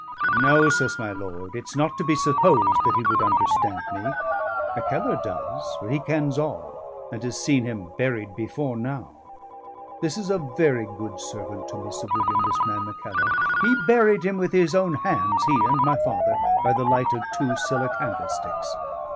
"No," says my lord, "it's not to be supposed that he would understand me. Mackellar does, for he kens all, and has seen him buried before now. This is a very good servant to me, Sir William, this man Mackellar; he buried him with his own hands he and my father by the light of two siller candlesticks.